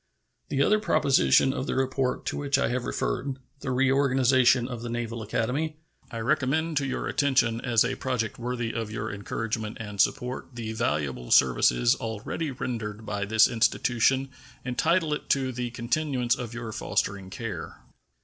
The other proposition of the report to which I have referred the reorganization of the Naval Academy I recommend to your attention as a project worthy of your encouragement and support. The valuable services already rendered by this institution entitle it to the continuance of your fostering care.